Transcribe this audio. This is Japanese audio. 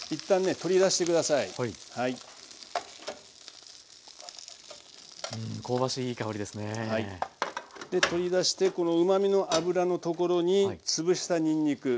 取り出してこのうまみの脂のところにつぶしたにんにく。